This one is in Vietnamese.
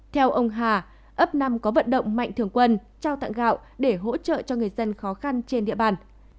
theo ông hà ấp năm có vận động mạnh thường quân trao tặng gạo để hỗ trợ cho người dân khó khăn trên địa bàn